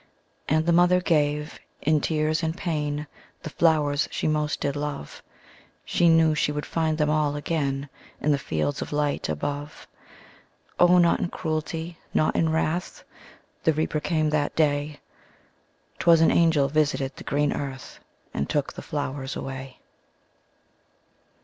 '' And the mother gave, in tears and pain, The flowers she most did love; She knew she should find them all again In the fields of light above. O, not in cruelty, not in wrath, The Reaper came that day; 'Twas an angel visited the green earth, And took the flowers away.